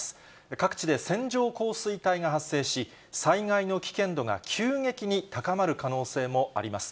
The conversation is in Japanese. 各地で線状降水帯が発生し、災害の危険度が急激に高まる可能性もあります。